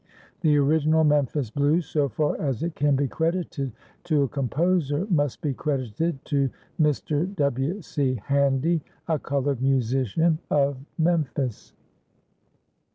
The original "Memphis Blues," so far as it can be credited to a composer, must be credited to Mr. W. C. Handy, a colored musician of Memphis.